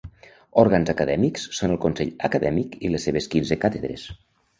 Òrgans acadèmics són el Consell Acadèmic i les seves quinze Càtedres.